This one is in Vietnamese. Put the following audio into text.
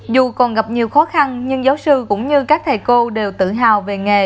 dù còn gặp nhiều khó khăn nhưng giáo sư cũng như các thầy cô đều tự hào về nghề